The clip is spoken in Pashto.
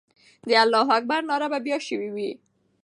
د الله اکبر ناره به بیا سوې وي.